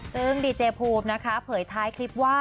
ซึ่งดีเจภูมินะคะเผยท้ายคลิปว่า